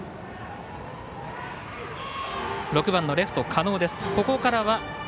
６番、レフトの狩野です。